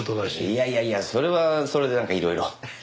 いやいやいやそれはそれでなんかいろいろ。